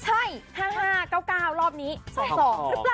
ใช่๕๕๙๙รอบนี้๒๒หรือเปล่า